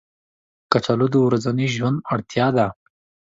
کچالو د ورځني ژوند اړتیا ده